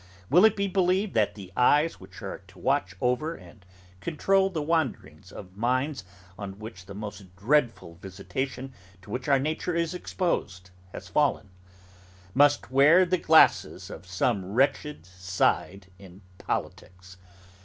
Will it be believed that the eyes which are to watch over and control the wanderings of minds on which the most dreadful visitation to which our nature is exposed has fallen, must wear the glasses of some wretched side in Politics?